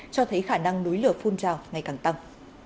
cho thấy khả năng núi lửa phun trào ngày càng tăng